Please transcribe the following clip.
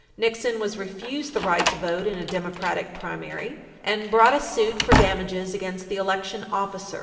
Nixon was refused the right to vote in a Democratic primary, and brought a suit for damages against the election officers under R.